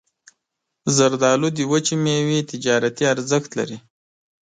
زردالو د وچې میوې تجارتي ارزښت لري.